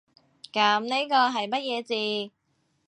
噉呢個係乜嘢字？